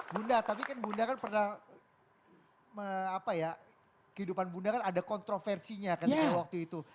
bunda tapi kan bunda kan pernah apa ya kehidupan bunda kan ada kontroversinya kan di waktu itu